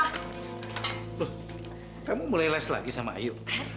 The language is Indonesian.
loh kamu mulai less lagi sama ayu